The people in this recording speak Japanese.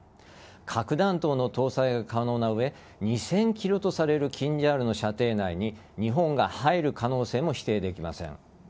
核弾頭の搭載が可能な上２０００ｋｍとされるキンジャールの射程内に日本が入る可能性も否定できません。